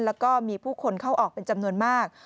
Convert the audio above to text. แล้วก็มีผู้คนเข้าออกเป็นจำนวนมาก